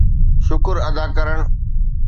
شڪر ادا ڪرڻ